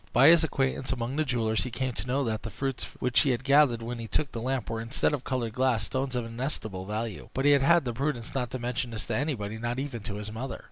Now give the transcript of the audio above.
By his acquaintance among the jewellers he came to know that the fruits which he had gathered when he took the lamp were, instead of colored glass, stones of inestimable value; but he had the prudence not to mention this to anyone, not even to his mother.